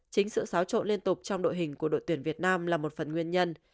chính sự xáo trộn liên tục trong đội hình của đội tuyển việt nam là một phần nguyên nhân